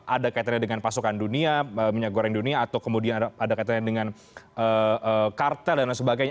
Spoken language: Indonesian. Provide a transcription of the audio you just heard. ada kaitannya dengan pasokan dunia minyak goreng dunia atau kemudian ada kaitannya dengan kartel dan lain sebagainya